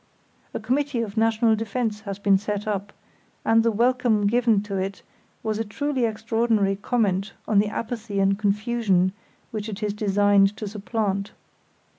A Committee of National Defence has been set up, and the welcome given to it was a truly extraordinary comment on the apathy and confusion which it is designed to supplant.